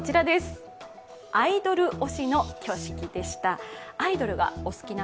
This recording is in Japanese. アイドル推しの挙式でした。